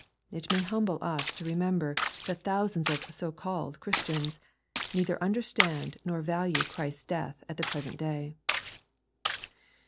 It may humble us to remember that thousands of so called Christians neither understand nor value Christ's death at the present day.